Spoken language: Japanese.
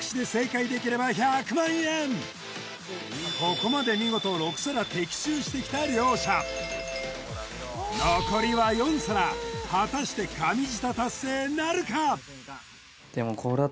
ここまで見事６皿的中してきた両者残りは４皿果たして神舌達成なるか？